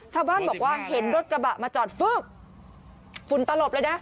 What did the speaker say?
ชาวบ้านบอกว่าเห็นรถกระบะมาจอดฟึ๊บฝุ่นตลบเลยนะ